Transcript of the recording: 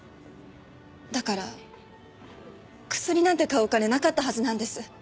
だからクスリなんて買うお金なかったはずなんです。